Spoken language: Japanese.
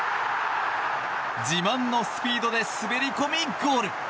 自慢のスピードで滑り込みゴール。